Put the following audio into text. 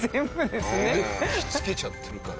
で吹き付けちゃってるから。